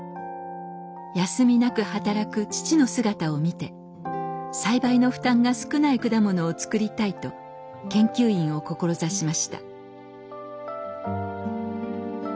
休みなく働く父の姿を見て栽培の負担が少ない果物を作りたいと研究員を志しました。